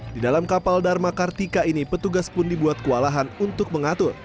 di dalam kapal dharma kartika ini petugas pun dibuat kewalahan untuk mengatur